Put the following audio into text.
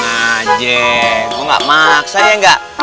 nih aja gue gak maksanya enggak